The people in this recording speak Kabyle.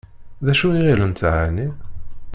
D acu i ɣilent εni?